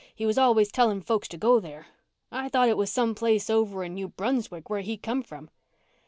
He was always telling folks to go there. I thought it was some place over in New Brunswick where he come from."